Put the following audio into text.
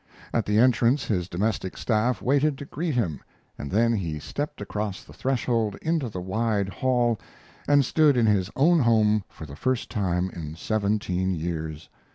At the entrance his domestic staff waited to greet him, and then he stepped across the threshold into the wide hall and stood in his own home for the first time in seventeen years.